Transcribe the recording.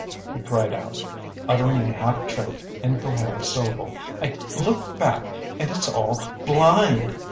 He cried out, uttering a half choked, incoherent syllable. "I look back and it's all BLIND!